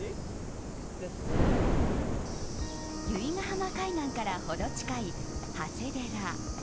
由比ガ浜海岸から程近い長谷寺。